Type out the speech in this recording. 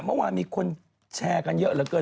เมื่อวานมีคนแชร์กันเยอะเหลือเกิน